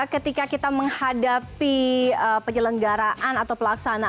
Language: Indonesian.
ketika kita menghadapi penyelenggaraan atau pelaksanaan